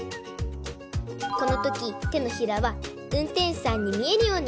このときてのひらはうんてんしゅさんにみえるように！